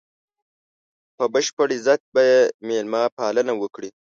په بشپړ عزت به یې مېلمه پالنه وکړي.